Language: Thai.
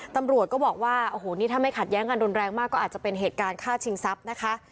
ตำรวจก็บอกว่าโอ้โหนี่ถ้าไม่ขัดแย้งกันรุนแรงมากก็อาจจะเป็นเหตุการณ์ฆ่าชิงทรัพย์นะคะ